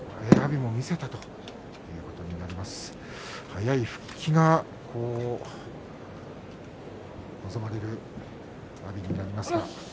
早い復帰が望まれる阿炎になります。